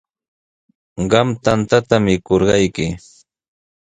Qam tantata mikurqayki.